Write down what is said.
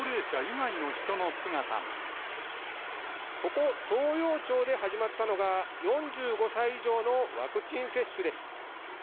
ここ、東洋町で始まったのが、４５歳以上のワクチン接種です。